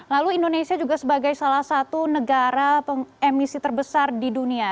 lalu indonesia juga sebagai salah satu negara emisi terbesar di dunia